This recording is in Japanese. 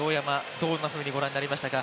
どのようにご覧になりましたか？